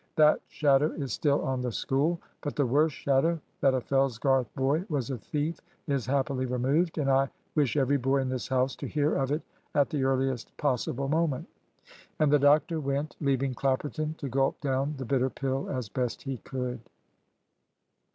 That shadow is still on the School. But the worst shadow, that a Fellsgarth boy was a thief, is happily removed, and I wish every boy in this house to hear of it at the earliest possible moment." And the doctor went, leaving Clapperton to gulp down the bitter pill as best he could.